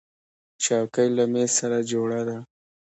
چوکۍ له مېز سره جوړه ده.